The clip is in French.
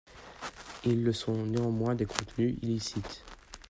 Ils le sont néanmoins des contenus illicites.